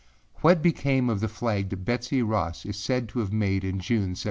What became of the flag that Betsey Ross is said to have made in June, 1776?